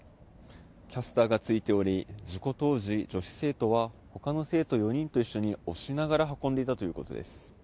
キャスターが付いており事故当時、女子生徒は他の生徒４人と一緒に押しながら運んでいたということです。